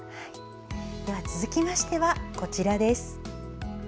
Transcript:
続きましては、こちらです。